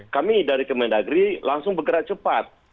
kami dari kementerian negeri langsung bergerak cepat